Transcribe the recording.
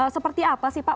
seperti apa sih pak